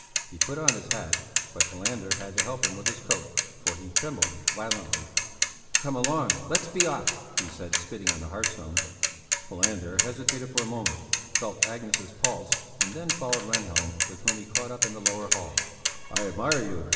He put on his hat, but Falander had to help him with his coat, for he trembled violently. "Come along, let's be off," he said, spitting on the hearthstone. Falander hesitated for a moment, felt Agnes' pulse and then followed Rehnhjelm with whom he caught up in the lower hall. "I admire you!"